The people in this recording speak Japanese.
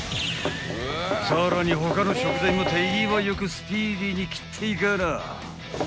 ［さらに他の食材も手際よくスピーディーに切っていかな］